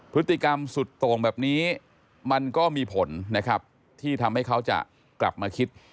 พฤติกรรมสุดโต่งแบบนี้มันก็มีผลนะครับที่ทำให้เขาจะกลับมาคิด